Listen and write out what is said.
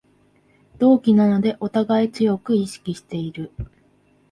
同期なのでおたがい強く意識してる